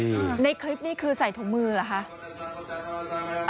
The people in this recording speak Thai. เรานี่ใส่ถุงมือไหม